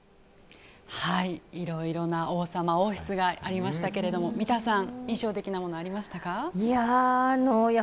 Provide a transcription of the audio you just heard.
いろいろな王様、王室がありましたが三田さん、印象的なものありましたか？